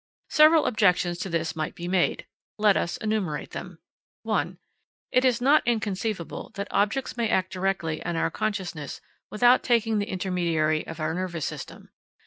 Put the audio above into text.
Several objections to this might be made. Let us enumerate them. 1. It is not inconceivable that objects may act directly on our consciousness without taking the intermediary of our nervous system.